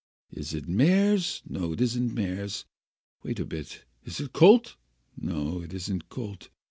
Ь it Mayres? No it isn't Mayres — Wait a bit, is it Colt? No, it isn't Colt.